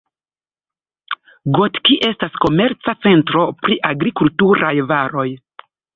Gotki estas komerca centro pri agrikulturaj varoj.